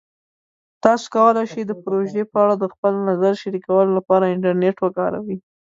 تاسو کولی شئ د پروژې په اړه د خپل نظر شریکولو لپاره انټرنیټ وکاروئ.